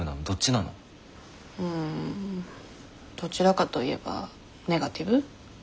うんどちらかといえばネガティブ？